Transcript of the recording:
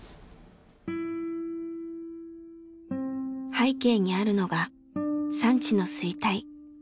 背景にあるのが産地の衰退。